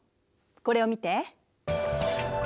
これを見て。